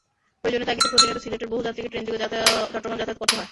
প্রয়োজনের তাগিদে প্রতিনিয়ত সিলেটের বহু যাত্রীকে ট্রেনযোগে চট্টগ্রাম যাতায়াত করতে হয়।